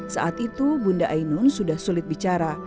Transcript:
saat itu bunda ainun sudah sulit bicara